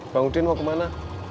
bang udin mau kemana